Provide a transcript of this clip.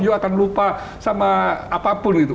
yo akan lupa sama apapun gitu